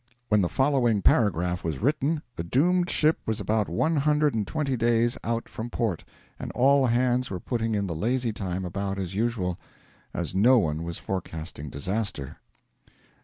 When the following paragraph was written the doomed ship was about one hundred and twenty days out from port, and all hands were putting in the lazy time about as usual, as no one was forecasting disaster.